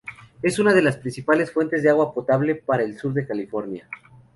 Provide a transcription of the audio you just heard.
Es una de las principales fuentes de agua potable para el sur de California.